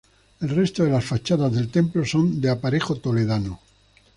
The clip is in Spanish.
El resto de las fachadas del templo son de aparejo toledano.